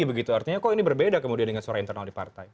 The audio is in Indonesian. begitu artinya kok ini berbeda kemudian dengan suara internal di partai